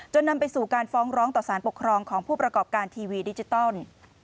นำไปสู่การฟ้องร้องต่อสารปกครองของผู้ประกอบการทีวีดิจิตอล